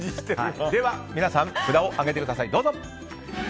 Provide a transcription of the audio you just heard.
では、皆さん札を上げてください。